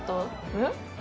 えっ？